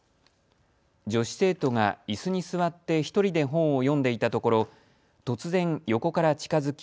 女子生徒がいすに座って１人で本を読んでいたところ突然、横から近づき